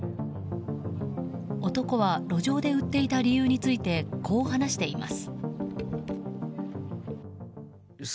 男は路上で売っていた理由について、こう話しています。